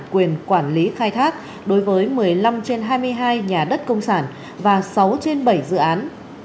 quyền quản lý khai thác đối với một mươi năm trên hai mươi hai nhà đất công sản và sáu trên bảy dự án